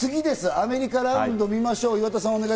アメリカラウンドを見ましょう、岩田さん。